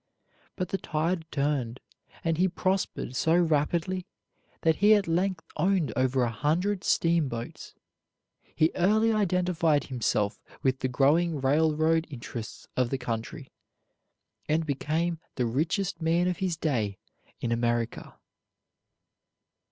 But the tide turned, and he prospered so rapidly that he at length owned over a hundred steamboats. He early identified himself with the growing railroad interests of the country, and became the richest man of his day in America.